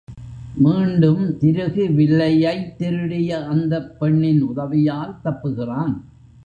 மீண்டும் திருகு வில்லையைத் திருடிய அந்தப் பெண்ணின் உதவியால் தப்புகிறான்.